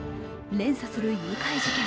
連鎖する誘拐事件。